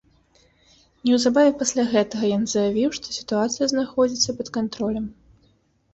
Неўзабаве пасля гэтага ён заявіў, што сітуацыя знаходзіцца пад кантролем.